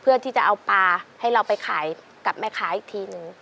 เพื่อที่จะเอาปลาให้เราไปขายกับแม่ค้าอีกทีนึง